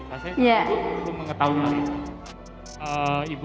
bahasanya ibu perlu mengetahui